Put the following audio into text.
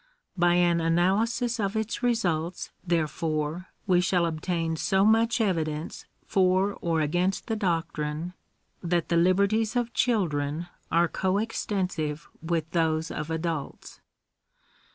By an analysis of its results, therefore, we shall obtain so much evidence for or against the doctrine that the liberties of children are co extensive with those of adults.